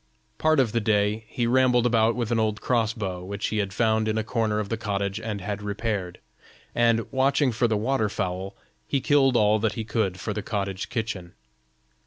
Part of the day he rambled about with an old cross bow, which he had found in a corner of the cottage and had repaired; and, watching for the water fowl, he killed all that he could for the cottage kitchen.